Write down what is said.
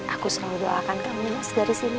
aku selalu doakan kami mas dari sini